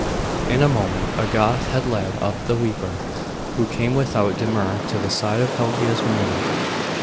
In a moment a Goth had led up the weeper, who came without demur to the side of Pelagia's mule.